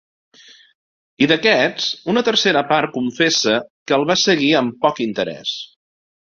I, d’aquests, una tercera part confessa que el va seguir amb poc interès.